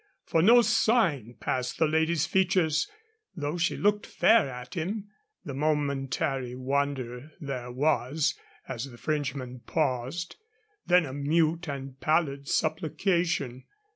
For no sign passed the lady's features, though she looked fair at him. A momentary wonder there was, as the Frenchman paused; then a mute and pallid supplication.